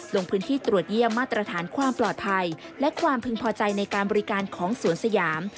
ลงพื้นที่ตรวจเยี่ยมมาตรฐานความปลอดภัยและความพึงพอใจในการบริการของสวนสยาม